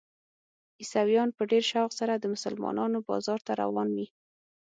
عیسویان په ډېر شوق سره د مسلمانانو بازار ته روان وي.